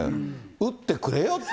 打ってくれよって。